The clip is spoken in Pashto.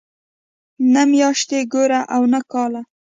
نه میاشت ګوري او نه کال.